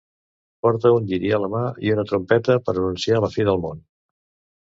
Porta un lliri a la mà i una trompeta per anunciar la fi del Món.